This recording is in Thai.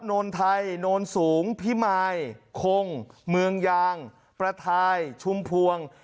โนนไทยโนนสูงพิมายคงเมืองยางประทายชุมพวง